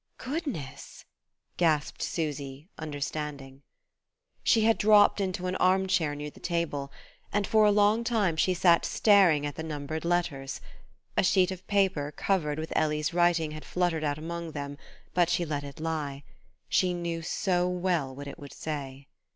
"Goodness " gasped Susy, understanding. She had dropped into an armchair near the table, and for a long time she sat staring at the numbered letters. A sheet of paper covered with Ellie's writing had fluttered out among them, but she let it lie; she knew so well what it would say!